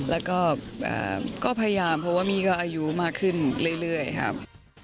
แล้วก็พยายามเพราะว่ามี่ก็อายุมากขึ้นเรื่อยครับ